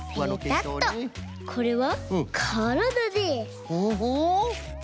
これはからだです。